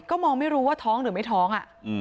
ก็มองไม่รู้ว่าท้องหรือไม่ท้อง